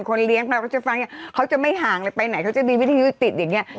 เลี้ยงเราก็จะฟังเนี่ยเขาจะไม่ห่างเลยไปไหนเขาจะมีวิทยุติดอย่างนี้